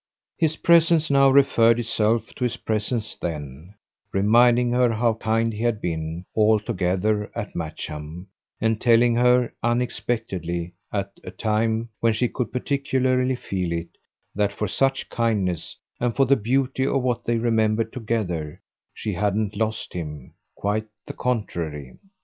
His presence now referred itself to his presence then, reminding her how kind he had been, altogether, at Matcham, and telling her, unexpectedly, at a time when she could particularly feel it, that, for such kindness and for the beauty of what they remembered together, she hadn't lost him quite the contrary.